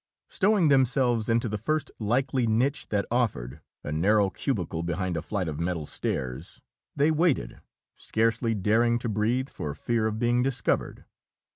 Stowing themselves into the first likely niche that offered a narrow cubicle behind a flight of metal stairs they waited, scarcely daring to breathe for fear of being discovered.